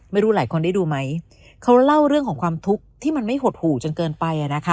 ไม่รู้หลายคนได้ดูไหมเขาเล่าเรื่องของความทุกข์ที่มันไม่หดหู่จนเกินไปอ่ะนะคะ